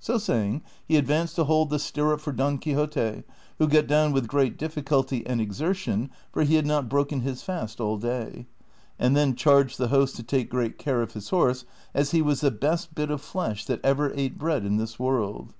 So saying, he advanced to hold the stirrup for Don Quixote, who got down with great difficulty and exertion (for he had nut broken his fast all day), and then charged the host to take great care of his horse as he was the best bit of flesh that ever ate bread in this world.